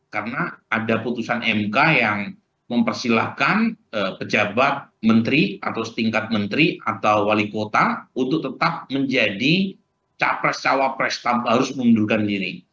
karena ada putusan mk yang mempersilahkan pejabat menteri atau setingkat menteri atau wali kota untuk tetap menjadi capres cawapres tanpa harus mundurkan diri